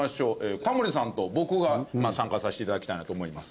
タモリさんと僕が参加させて頂きたいなと思います。